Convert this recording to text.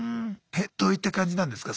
えどういった感じなんですか